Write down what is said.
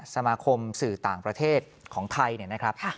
สมาคมสื่อต่างประเทศของไทยเนี่ยนะครับ